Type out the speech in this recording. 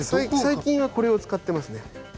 最近はこれを使ってますね。